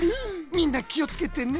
みんなきをつけてね。